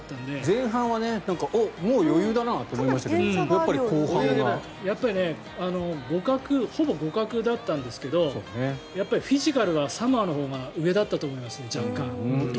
前半はおっ、もう余裕だなと思いましたけどほぼ互角だったんですけどフィジカルはサモアのほうが若干上だったと思います。